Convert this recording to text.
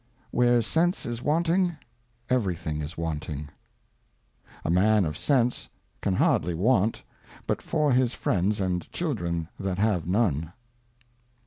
Where Sense is wanting, every thing is wanting. A Man of Sense can hardly want, but for his Friends and Children that have none.